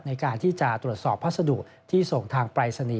ในการที่จะตรวจสอบพัสดุที่ส่งทางปรายศนีย